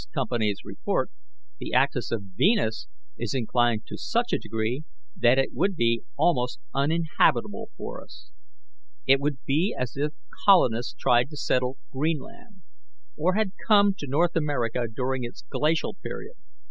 Company's report, the axis of Venus is inclined to such a degree that it would be almost uninhabitable for us. It would be as if colonists tried to settle Greenland, or had come to North America during its Glacial period.